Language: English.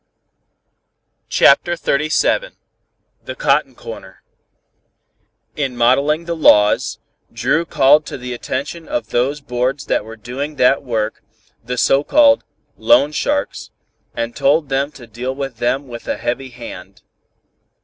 CHAPTER XXXVII THE COTTON CORNER In modeling the laws, Dru called to the attention of those boards that were doing that work, the so called "loan sharks," and told them to deal with them with a heavy hand.